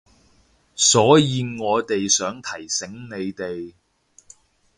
所以我哋想提醒你哋